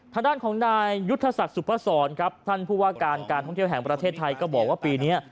ทางด้านของนายยุทธศักดิ์สุพศรครับท่านผู้ว่าการการท่องเที่ยวแห่งประเทศไทยก็บอกว่าปีนี้